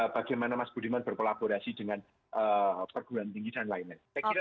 bagaimana mas budiman berkolaborasi dengan perguruan tinggi dan lainnya